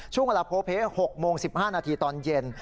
ช่วงเวลาโพเพ๖โมง๑๕นาทีตอนเย็น